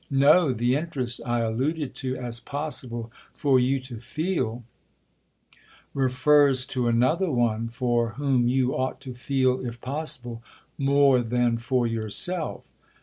No!—the interest I alluded to as possible for you to feel, refers to another one, for whom you ought to feel if possible more than for yourself.